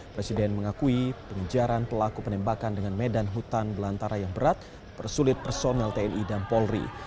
presiden mengakui pengejaran pelaku penembakan dengan medan hutan belantara yang berat persulit personel tni dan polri